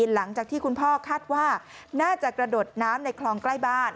หลังจากที่คุณพ่อคาดว่าน่าจะกระโดดน้ำในคลองใกล้บ้าน